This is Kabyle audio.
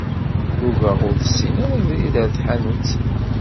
Ugaɣ ur tessin ara abrid ar tḥanut.